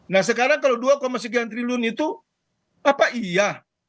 nah sekarang kalau dua sekian triliun itu apa iya